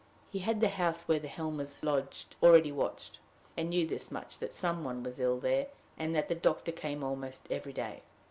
He had the house where the Helmers lodged already watched, and knew this much, that some one was ill there, and that the doctor came almost every day.